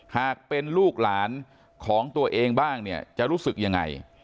หากเป็นลูกหลานของตัวเองบ้างเนี่ยจะรู้สึกยังไง